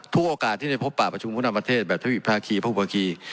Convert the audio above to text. ทุกโอกาสที่ในพบประชุมภูนาประเทศแบบภาคีภูปภาคี